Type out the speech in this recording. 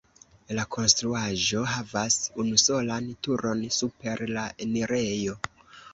La konstruaĵo havas unusolan turon super la enirejo.